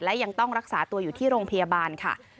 และยังต้องรักษาตัวอยู่ที่โรงพยาบาลค่ะ